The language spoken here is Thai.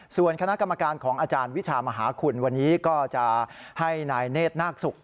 ส่วนคณะกรรมการของอาจารย์วิชามหาคุณวันนี้ก็จะให้นายเนธนาคศุกร์